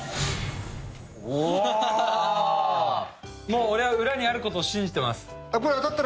もう俺は裏にあることを信じてます。